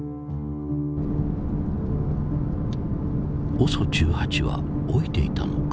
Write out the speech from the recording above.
ＯＳＯ１８は老いていたのか。